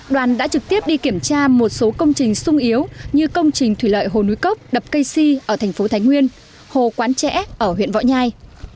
đoàn đã trực tiếp đi kiểm tra một số công trình sung yếu như công trình thủy lợi hồ núi cốc đập cây si ở thành phố thái nguyên hồ quán trễ ở huyện võ nhai